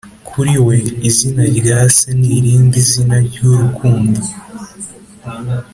kuri we, izina rya se ni irindi zina ry'urukundo. ”